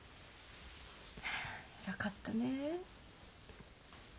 偉かったね。